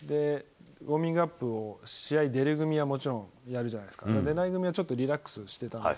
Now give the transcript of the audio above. ウォーミングアップを、試合出る組はもちろんやるじゃないですか、出ない組はちょっとリラックスしてたんです。